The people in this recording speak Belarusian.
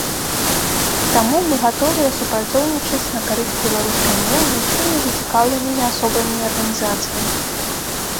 Таму мы гатовыя супрацоўнічаць на карысць беларускай мовы з усімі зацікаўленымі асобамі і арганізацыямі.